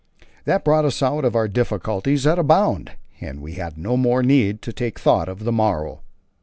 That brought us out of our difficulties at a bound, and we had no more need to take thought for the morrow.